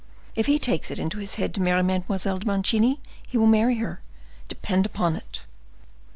If he takes it into his head to marry Mademoiselle de Mancini, he will marry her, depend upon it.